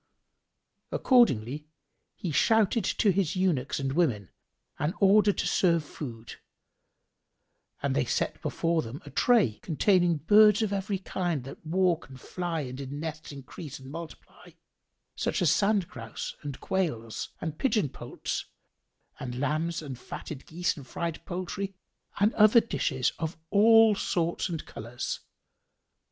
Accordingly he shouted to his eunuchs and women an order to serve food, and they set before them a tray containing birds of every king that walk and fly and in nests increase and multiply, such as sand grouse and quails and pigeon poults and lambs and fatted geese and fried poultry and other dishes of all sorts and colours.